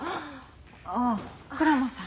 ああ倉間さん。